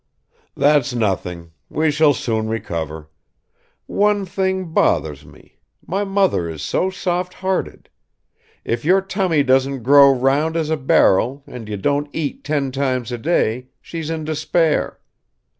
"That's nothing; we shall soon recover. One thing bothers me my mother is so softhearted; if your tummy doesn't grow round as a barrel and you don't eat ten times a day, she's in despair.